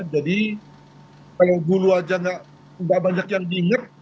kalau dulu aja nggak banyak yang diinget